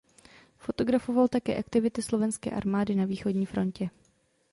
Fotografoval také aktivity Slovenské armády na východní frontě.